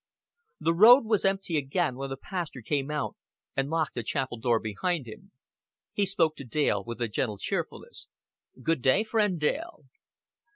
The road was empty again when the pastor came out and locked the chapel door behind him. He spoke to Dale with a gentle cheerfulness. "Good day, friend Dale."